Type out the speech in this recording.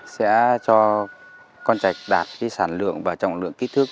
sẽ cho con trạch đạt cái sản lượng và trọng lượng kích thước